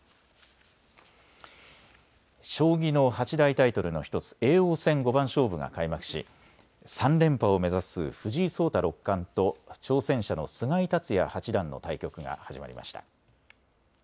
将棋の八大タイトルの１つ、叡王戦五番勝負が開幕し３連覇を目指す藤井聡太六冠と挑戦者の菅井竜也八段の対局が始まりました。